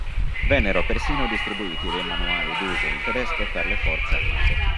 Vennero persino distribuiti dei manuali d'uso in tedesco per le forze armate.